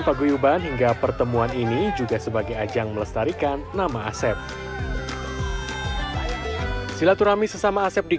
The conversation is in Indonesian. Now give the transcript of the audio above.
paguyuban hingga pertemuan ini juga sebagai ajang melestarikan nama asep silaturahmi sesama asep di